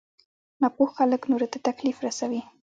ناپوه خلک نورو ته تکليف رسوي.